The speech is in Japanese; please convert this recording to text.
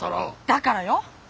だからよ。